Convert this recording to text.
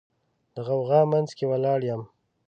د غوغا منځ کې ولاړ یم